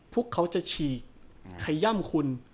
พวกเขาจะฉีกขย่ำคุณ